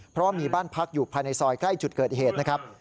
เพราะว่ามีบ้านพักอยู่ภายในซอยใกล้จุดเกิดเหตุนะครับ